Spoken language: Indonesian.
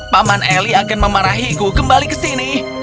paman eli akan memarahiku kembali ke sini